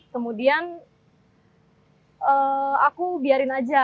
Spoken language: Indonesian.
kemudian aku biarkan saja